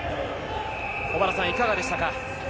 小原さん、いかがでしたか？